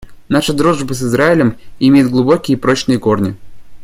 Наша дружба с Израилем имеет глубокие и прочные корни.